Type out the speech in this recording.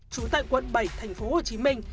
trú tại quận bảy tp hcm